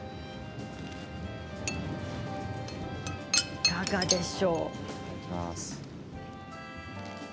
いかがでしょう？